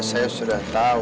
saya sudah tahu